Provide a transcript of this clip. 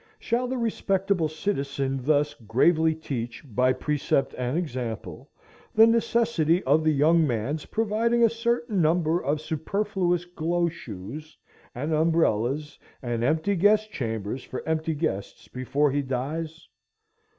Shall the respectable citizen thus gravely teach, by precept and example, the necessity of the young man's providing a certain number of superfluous glow shoes, and umbrellas, and empty guest chambers for empty guests, before he dies?